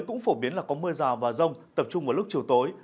cũng phổ biến là có mưa rào và rông tập trung vào lúc chiều tối